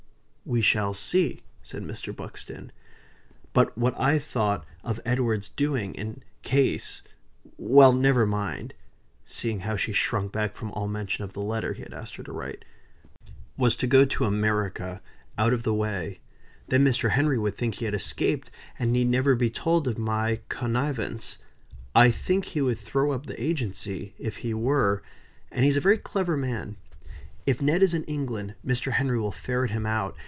"We shall see," said Mr. Buxton. "But what I thought of Edward's doing, in case Well never mind! (seeing how she shrunk back from all mention of the letter he had asked her to write,) was to go to America, out of the way. Then Mr. Henry would think he had escaped, and need never be told of my coenivance. I think he would throw up the agency, if he were; and he's a very clever man. If Ned is in England, Mr. Henry will ferret him out.